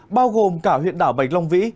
bao gồm cả huyện đảo bạch long vĩ